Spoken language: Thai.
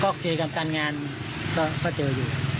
ก็เจอกับการงานก็เจออยู่